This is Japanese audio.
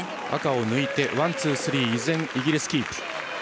赤を抜いてワン、ツー、スリー依然、イギリスキープ。